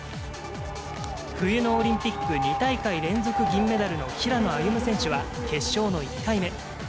冬のオリンピック２大会連続銀メダルの平野歩夢選手は決勝の１回目。